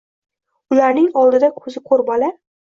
Ularning oldida koʻzi koʻr bola